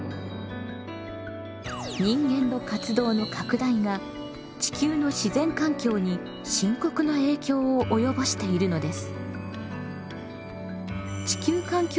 人間の活動の拡大が地球の自然環境に深刻な影響を及ぼしているのです。